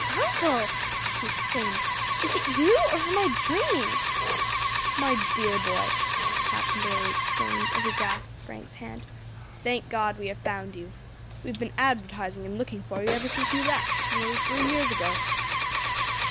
"Uncle," he exclaimed, "is it you, or am I dreaming?" "My dear boy," Captain Bayley exclaimed, as he grasped Frank's hand, "thank God we have found you! We have been advertising and looking for you ever since you left, nearly three years ago."